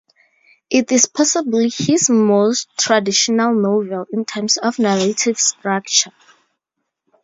It is possibly his most traditional novel in terms of narrative structure.